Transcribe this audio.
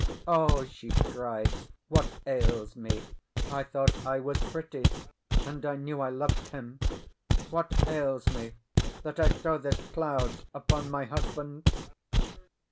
Oh!" she cried, "what ails me? I thought I was pretty, and I knew I loved him. What ails me that I throw this cloud upon my husband?"